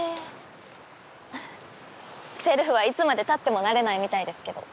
せるふはいつまで経っても慣れないみたいですけど。